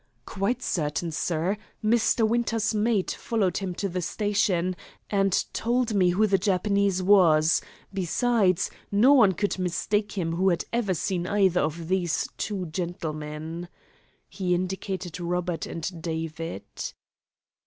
"Quite certain, sir. Mr. Winter's mate followed him to the station, and told me who the Japanese was. Besides, no one could mistake him who had ever seen either of these two gentlemen." He indicated Robert and David.